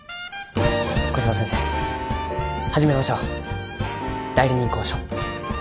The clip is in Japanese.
小柴先生始めましょう代理人交渉。